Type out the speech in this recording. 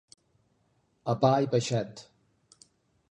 A pa i peixet.